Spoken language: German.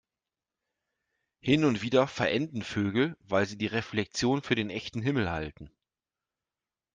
Hin und wieder verenden Vögel, weil sie die Reflexion für den echten Himmel halten.